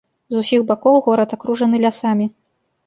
З усіх бакоў горад акружаны лясамі.